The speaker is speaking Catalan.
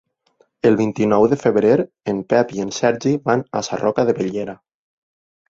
El vint-i-nou de febrer en Pep i en Sergi van a Sarroca de Bellera.